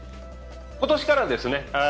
今年からですね。